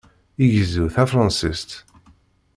Igezzu tafṛansist.